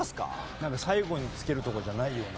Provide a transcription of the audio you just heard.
なんか最後につけるとかじゃないような。